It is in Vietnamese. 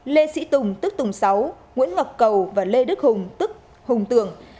lê sĩ tùng tức tùng sáu nguyễn ngọc cầu và lê đức hùng tức hùng tưởng